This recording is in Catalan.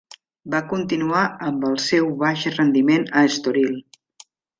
Va continuar amb el seu baix rendiment a Estoril.